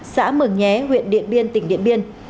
xã mường nhé huyện điện biên tỉnh điện biên